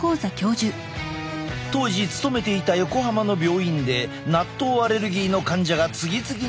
当時勤めていた横浜の病院で納豆アレルギーの患者が次々に見つかったのだ。